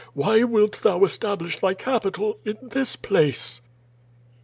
Why wilt Thou establish Thy capi tal in this place?"